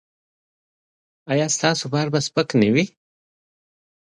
ایا ستاسو بار به سپک نه وي؟